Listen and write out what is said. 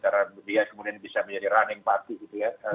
karena dia kemudian bisa menjadi ruling party gitu ya